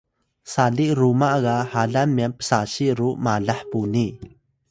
sali ruma ga halan myan psasi ru malah puni